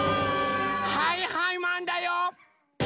はいはいマンだよ！